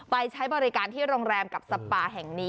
ใช้บริการที่โรงแรมกับสปาแห่งนี้